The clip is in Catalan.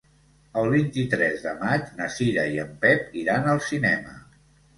El vint-i-tres de maig na Cira i en Pep iran al cinema.